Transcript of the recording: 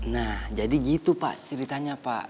nah jadi gitu pak ceritanya pak